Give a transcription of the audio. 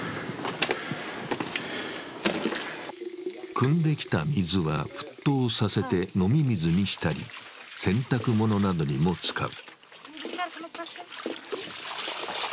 くんできた水は、沸騰させて飲み水にしたり洗濯物などにも使う。